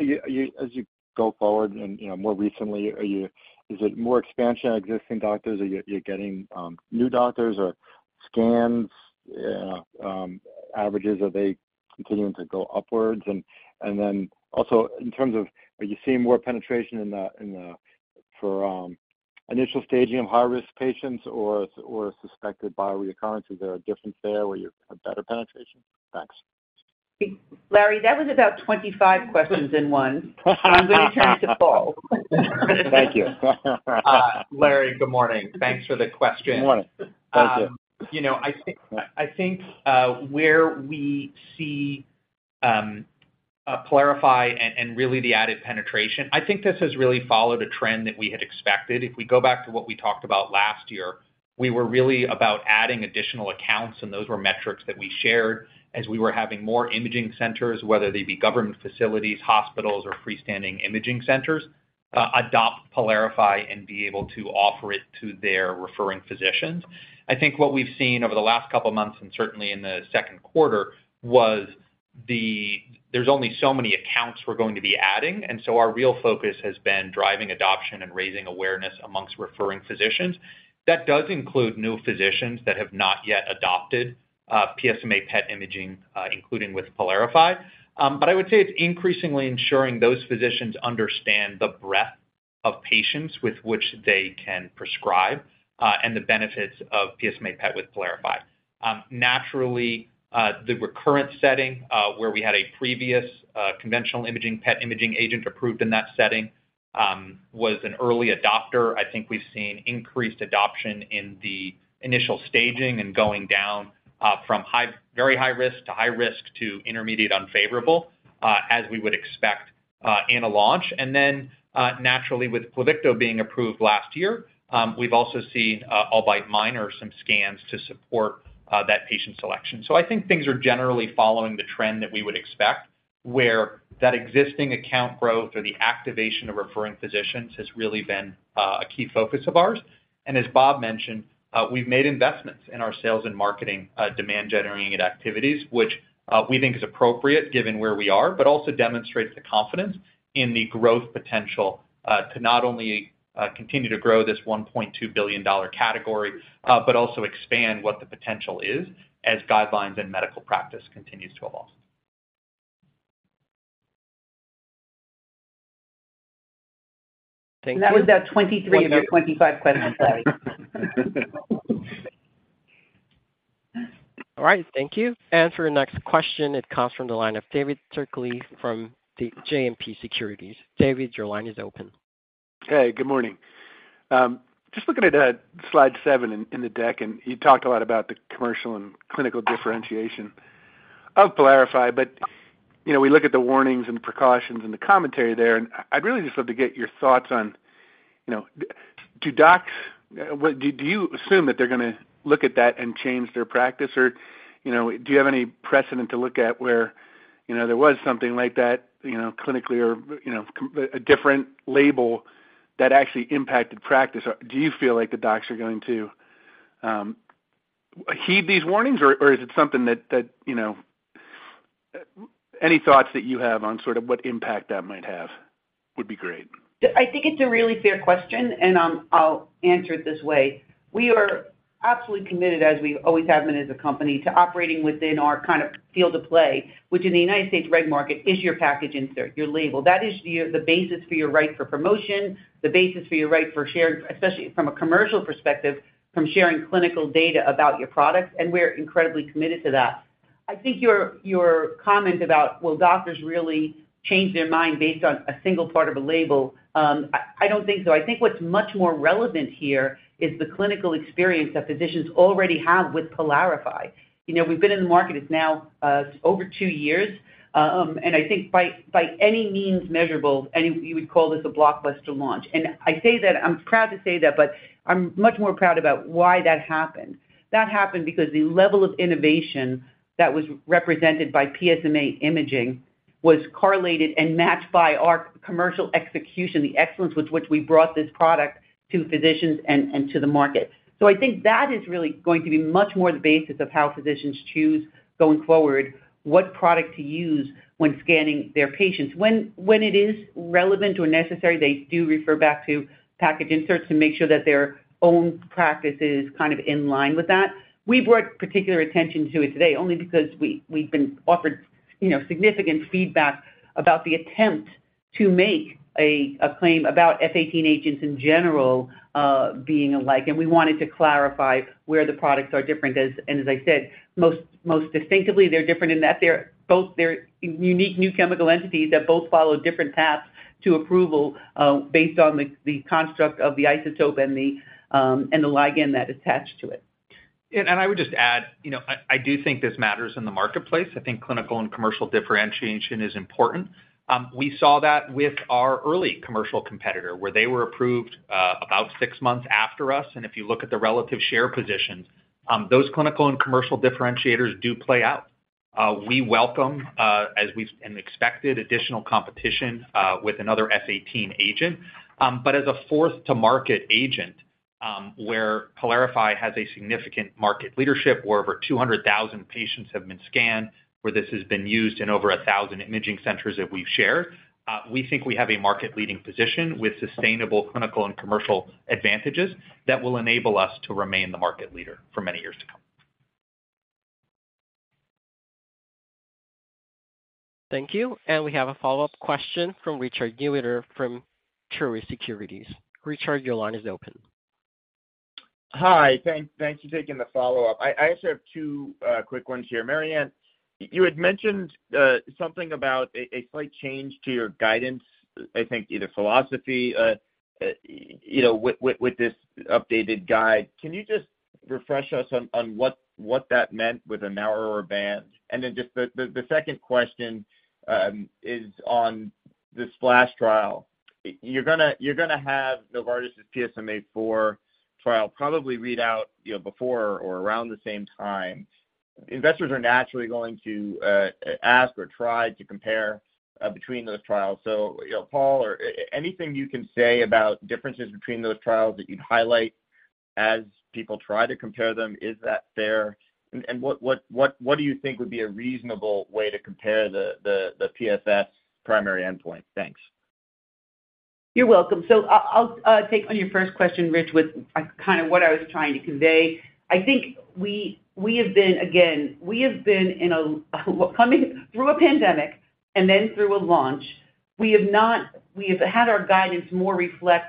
you, as you go forward and, you know, more recently, are you, is it more expansion on existing doctors? Are you getting new doctors or scans, averages, are they continuing to go upwards? Then also in terms of are you seeing more penetration in the for initial staging of high-risk patients or suspected bio-reoccurrence? Is there a difference there where you have better penetration? Thanks. Larry, that was about 25 questions in one. I'm going to turn to Paul. Thank you. Larry, good morning. Thanks for the question. Good morning. Thank you. You know, I think, I think, where we see PYLARIFY and, and really the added penetration, I think this has really followed a trend that we had expected. If we go back to what we talked about last year, we were really about adding additional accounts, and those were metrics that we shared as we were having more imaging centers, whether they be government facilities, hospitals, or freestanding imaging centers, adopt PYLARIFY and be able to offer it to their referring physicians. I think what we've seen over the last couple of months, and certainly in the second quarter, was there's only so many accounts we're going to be adding, and so our real focus has been driving adoption and raising awareness amongst referring physicians. That does include new physicians that have not yet adopted, PSMA PET imaging, including with PYLARIFY. I would say it's increasingly ensuring those physicians understand the breadth of patients with which they can prescribe, and the benefits of PSMA PET with PYLARIFY. Naturally, the recurrent setting, where we had a previous, conventional imaging, PET imaging agent approved in that setting, was an early adopter. I think we've seen increased adoption in the initial staging and going down, from high, very high risk to high risk to intermediate unfavorable, as we would expect, in a launch. Naturally, with Pluvicto being approved last year, we've also seen, albeit minor, some scans to support that patient selection. I think things are generally following the trend that we would expect, where that existing account growth or the activation of referring physicians has really been a key focus of ours. As Bob mentioned, we've made investments in our sales and marketing, demand generating activities, which, we think is appropriate given where we are, but also demonstrates the confidence in the growth potential, to not only, continue to grow this $1.2 billion category, but also expand what the potential is as guidelines and medical practice continues to evolve. Thank you. That was about 23 of your 25 questions, Larry. All right, thank you. For your next question, it comes from the line of David Turkaly from JMP Securities. David, your line is open. Hey, good morning. Just looking at slide seven, in the deck, and you talked a lot about the commercial and clinical differentiation of PYLARIFY, but, you know, we look at the warnings and precautions and the commentary there, and I'd really just love to get your thoughts on, you know, do docs-- What, do, do you assume that they're gonna look at that and change their practice? Or, you know, do you have any precedent to look at where, you know, there was something like that, you know, clinically or, you know, com... A different label that actually impacted practice? Or do you feel like the docs are going to heed these warnings, or, or is it something that, that, you know... Any thoughts that you have on sort of what impact that might have would be great. I think it's a really fair question, and I'll answer it this way. We are absolutely committed, as we always have been as a company, to operating within our kind of field of play, which in the United States reg market is your package insert, your label. That is your, the basis for your right for promotion, the basis for your right for sharing, especially from a commercial perspective, from sharing clinical data about your products, and we're incredibly committed to that. I think your, your comment about, will doctors really change their mind based on a single part of a label? I, I don't think so. I think what's much more relevant here is the clinical experience that physicians already have with PYLARIFY. You know, we've been in the market, it's now, over two years, and I think by, by any means measurable, you would call this a blockbuster launch. I say that, I'm proud to say that, but I'm much more proud about why that happened. That happened because the level of innovation that was represented by PSMA imaging, was correlated and matched by our commercial execution, the excellence with which we brought this product to physicians and, and to the market. I think that is really going to be much more the basis of how physicians choose going forward, what product to use when scanning their patients. When, when it is relevant or necessary, they do refer back to package inserts to make sure that their own practice is kind of in line with that. We've brought particular attention to it today only because we, we've been offered, you know, significant feedback about the attempt to make a, a claim about F-18 agents in general, being alike, and we wanted to clarify where the products are different. And as I said, most, most distinctively, they're different in that they're both-- they're unique new chemical entities that both follow different paths to approval, based on the, the construct of the isotope and the, and the ligand that attached to it. I would just add, you know, I do think this matters in the marketplace. I think clinical and commercial differentiation is important. We saw that with our early commercial competitor, where they were approved about six months after us. If you look at the relative share positions, those clinical and commercial differentiators do play out. We welcome, as we and expected additional competition, with another F-18 agent. But as a fourth to market agent, where PYLARIFY has a significant market leadership, where over 200,000 patients have been scanned, where this has been used in over 1,000 imaging centers that we've shared, we think we have a market-leading position with sustainable clinical and commercial advantages that will enable us to remain the market leader for many years to come. Thank you. We have a follow-up question from Richard Newitter from Truist Securities. Richard, your line is open. Hi, thank, thank you for taking the follow-up. I, I actually have two quick ones here. Mary Anne, you had mentioned something about a slight change to your guidance, I think, either philosophy, you know, with, with, with this updated guide. Can you just refresh us on, on what, what that meant with a narrower band? Then just the second question is on this SPLASH trial. You're gonna, you're gonna have Novartis' PSMA-4 trial probably read out, you know, before or around the same time. Investors are naturally going to ask or try to compare between those trials. You know, Paul, or anything you can say about differences between those trials that you'd highlight as people try to compare them, is that fair and what do you think would be a reasonable way to compare the, the, the PFS primary endpoint? Thanks. You're welcome. I, I'll take on your first question, Rich, with kind of what I was trying to convey. I think we, we have been, again, we have been in a, coming through a pandemic and then through a launch, we have had our guidance more reflect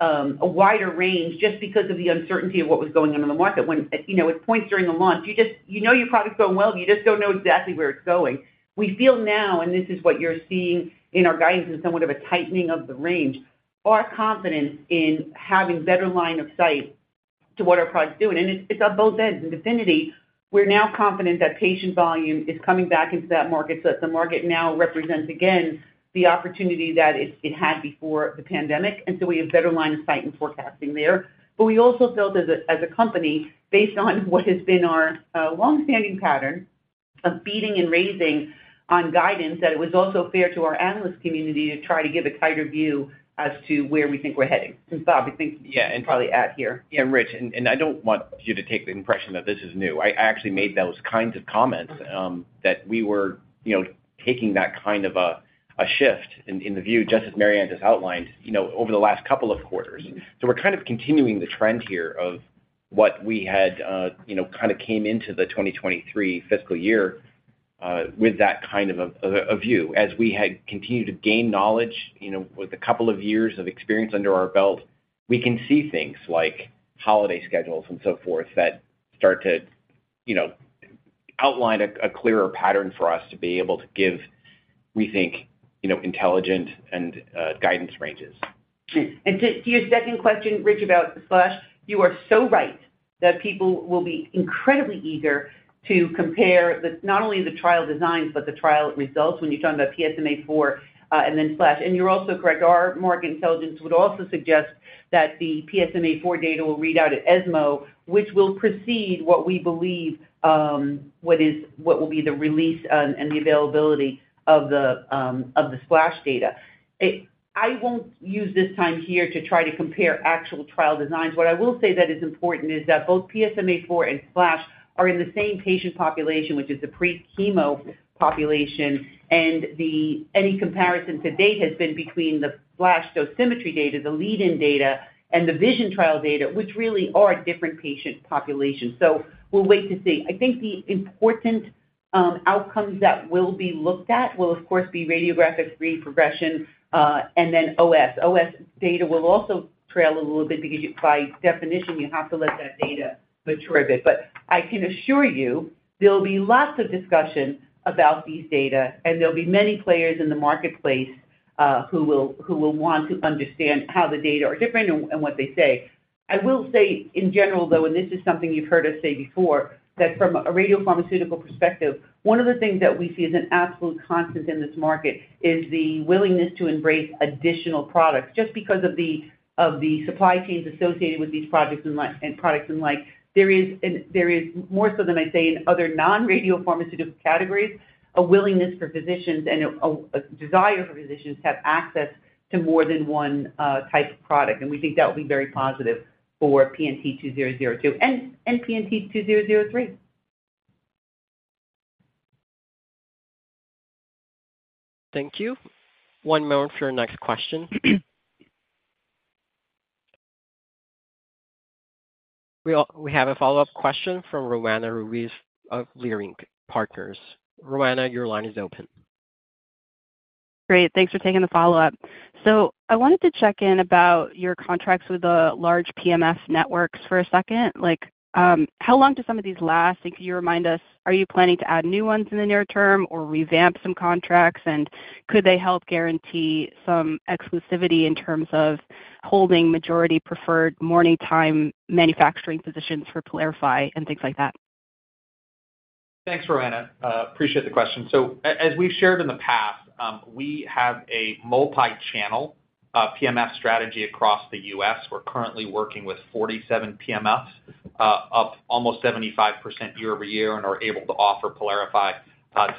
a wider range just because of the uncertainty of what was going on in the market. When, you know, at points during the launch, you just, you know your product's going well, but you just don't know exactly where it's going. We feel now, and this is what you're seeing in our guidance, is somewhat of a tightening of the range, are confident in having better line of sight to what our products do. It's, it's on both ends. In DEFINITY, we're now confident that patient volume is coming back into that market, so that the market now represents, again, the opportunity that it had before the pandemic, and so we have better line of sight and forecasting there. We also felt as a company, based on what has been our long-standing pattern of beating and raising on guidance, that it was also fair to our analyst community to try to give a tighter view as to where we think we're heading, since obviously and probably add here. Yeah, Rich, I don't want you to take the impression that this is new. I actually made those kinds of comments, that we were, you know, taking that kind of a shift in the view, just as Mary Anne has outlined, you know, over the last couple of quarters. We're kind of continuing the trend here of what we had, you know, kind of came into the 2023 fiscal year, with that kind of a view. As we had continued to gain knowledge, you know, with a couple of years of experience under our belt, we can see things like holiday schedules and so forth, that start to, you know, outline a clearer pattern for us to be able to give, we think, you know, intelligent and guidance ranges. To your second question, Rich, about the flash, you are so right that people will be incredibly eager to compare the, not only the trial designs, but the trial results when you're talking about PSMA-4, and then flash. You're also correct, our market intelligence would also suggest that the PSMA-4 data will read out at ESMO, which will precede what we believe, what will be the release and, and the availability of the, of the SPLASH data. I won't use this time here to try to compare actual trial designs. What I will say that is important is that both PSMA-4 and SPLASH are in the same patient population, which is the pre-chemo population, and the, any comparison to date has been between the SPLASH dosimetry data, the lead-in data, and the vision trial data, which really are different patient populations. We'll wait to see. I think the important outcomes that will be looked at will, of course, be radiographic reprogression, and then OS. OS data will also trail a little bit because by definition, you have to let that data mature a bit. I can assure you there'll be lots of discussion about these data, and there'll be many players in the marketplace, who will, who will want to understand how the data are different and, and what they say.... I will say in general, though, and this is something you've heard us say before, that from a radiopharmaceutical perspective, one of the things that we see as an absolute constant in this market is the willingness to embrace additional products, just because of the, of the supply chains associated with these projects and products and like. There is, there is more so than I say, in other non-radiopharmaceutical categories, a willingness for physicians and a desire for physicians to have access to more than one type of product. We think that will be very positive for PNT2002 and PNT2003. Thank you. One moment for your next question. We have a follow-up question from Roanna Ruiz of Leerink Partners. Roanna, your line is open. Great, thanks for taking the follow-up. I wanted to check in about your contracts with the large PMF networks for a second. Like, how long do some of these last? Can you remind us, are you planning to add new ones in the near term or revamp some contracts? Could they help guarantee some exclusivity in terms of holding majority preferred morning time manufacturing positions for PYLARIFY and things like that? Thanks, Roanna. Appreciate the question. As we've shared in the past, we have a multi-channel PMF strategy across the U.S. We're currently working with 47 PMFs, up almost 75% year-over-year, and are able to offer PYLARIFY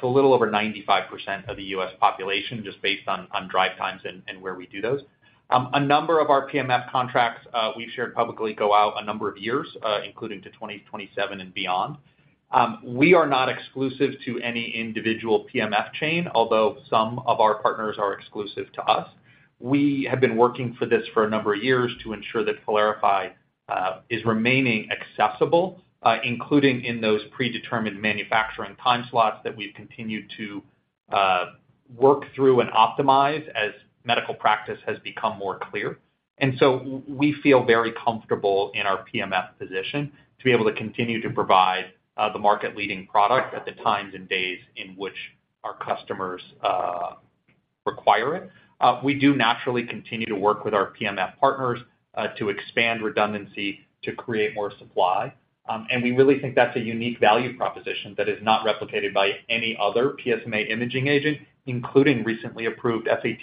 to a little over 95% of the U.S. population, just based on, on drive times and, and where we do those. A number of our PMF contracts, we've shared publicly, go out a number of years, including to 2027 and beyond. We are not exclusive to any individual PMF chain, although some of our partners are exclusive to us. We have been working for this for a number of years to ensure that PYLARIFY is remaining accessible, including in those predetermined manufacturing time slots that we've continued to work through and optimize as medical practice has become more clear. We feel very comfortable in our PMF position to be able to continue to provide the market-leading product at the times and days in which our customers require it. We do naturally continue to work with our PMF partners to expand redundancy, to create more supply. We really think that's a unique value proposition that is not replicated by any other PSMA imaging agent, including recently approved satetranetan.